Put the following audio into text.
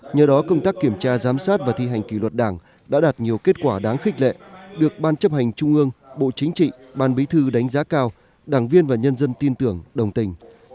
nhờ đó công tác kiểm tra giám sát và thi hành kỷ luật đảng đã đạt nhiều kết quả đáng khích lệ được ban chấp hành trung ương bộ chính trị ban bí thư đánh giá cao đảng viên và nhân dân tin tưởng đồng tình